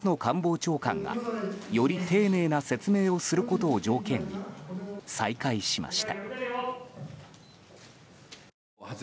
その後、松野官房長官がより丁寧な説明をすることを条件に再開しました。